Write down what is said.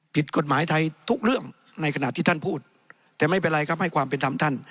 ผิดกฎหมายไทยทุกเรื่องในขณะที่ท่านพูดแต่ไม่เป็นไรครับให้ความเป็นธรรมท่าน